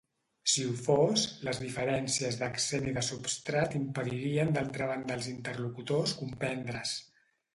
Si ho fos, les diferències d'accent i de substrat impedirien d'altra banda als interlocutors comprendre's.